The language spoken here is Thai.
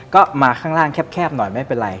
ก็มาข้างล่างแคบหน่อยไม่เป็นไร